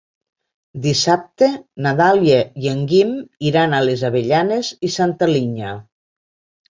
Dissabte na Dàlia i en Guim iran a les Avellanes i Santa Linya.